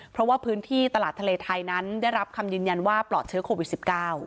เพราะว่าพื้นที่ตลาดทะเลไทยนั้นได้รับคำยืนยันว่าปลอดเชื้อโควิด๑๙